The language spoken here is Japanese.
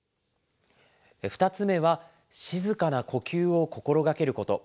２つ目は静かな呼吸を心がけること。